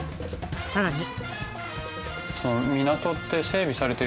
さらに。